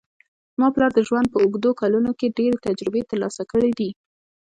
زما پلار د ژوند په اوږدو کلونو کې ډېرې تجربې ترلاسه کړې دي